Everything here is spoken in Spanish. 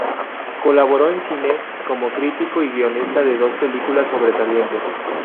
Colaboró en cine, como crítico y guionista de dos películas sobresalientes.